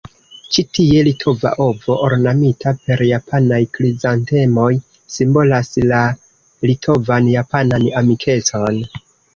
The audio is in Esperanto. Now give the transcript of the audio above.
Ĉi tie litova ovo, ornamita per japanaj krizantemoj, simbolas la litovan-japanan amikecon.